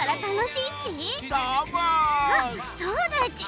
あっそうだち！